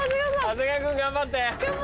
長谷川君頑張って。